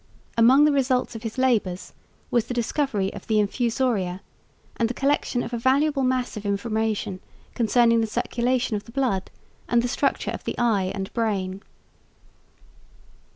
Among the results of his labours was the discovery of the infusoria, and the collection of a valuable mass of information concerning the circulation of the blood and the structure of the eye and brain.